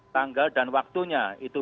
tanggal dan waktunya itu